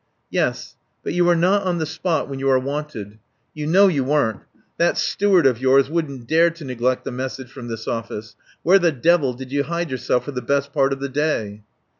"Yes. But you are not on the spot when you are wanted. You know you weren't. That steward of yours wouldn't dare to neglect a message from this office. Where the devil did you hide yourself for the best part of the day?"